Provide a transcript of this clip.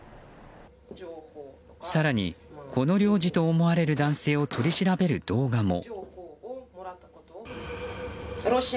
更に、この領事と思われる男性を取り調べる動画も。